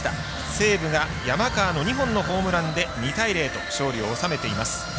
西武が山川の２本のホームランで２対０、勝利を収めています。